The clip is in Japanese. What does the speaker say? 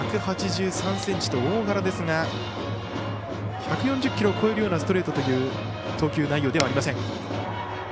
１８３ｃｍと大柄ですが１４０キロを超えるようなストレートという投球内容ではありません。